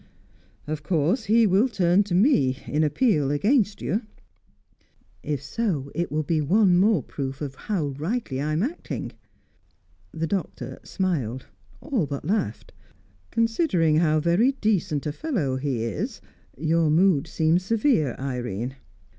"Of course he will turn to me, in appeal against you." "If so, it will be one more proof how rightly I am acting." The Doctor smiled, all but laughed. "Considering how very decent a fellow he is, your mood seems severe, Irene.